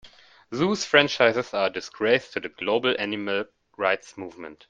Zoos franchises are a disgrace to the global animal rights movement.